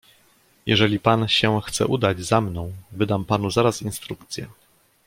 "Jeżeli pan się chce udać za mną, wydam panu zaraz instrukcje."